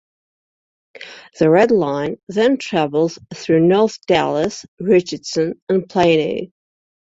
The Red Line then travels through north Dallas, Richardson and Plano.